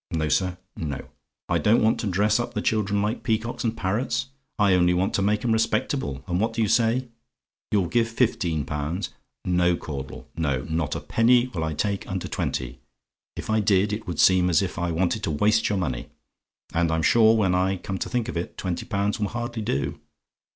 No, sir, no. "I DON'T WANT TO DRESS UP THE CHILDREN LIKE PEACOCKS AND PARROTS! "I only want to make 'em respectable and what do you say? "YOU'LL GIVE FIFTEEN POUNDS? "No, Caudle, no not a penny will I take under twenty; if I did, it would seem as if I wanted to waste your money: and I'm sure, when I come to think of it, twenty pounds will hardly do.